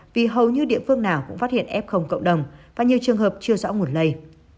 vì hầu như địa phương nào cũng phát hiện f cộng đồng và nhiều trường hợp chưa rõ nguồn lây